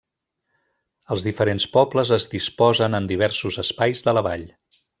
Els diferents pobles es disposen en diversos espais de la vall.